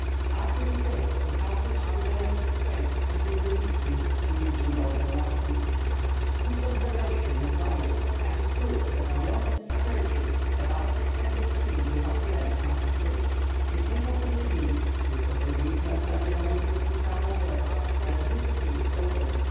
Up to this date the passage through Behring's Strait had been the least used to reach the northern latitudes. Cook's observation is valuable, as it proves that beyond this aperture a vast extent of sea without land must exist. It may possibly be (this was the view held by the lamented Gustave Lambert) that this sea is open.